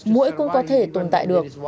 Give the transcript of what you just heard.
mũi cũng có thể tồn tại được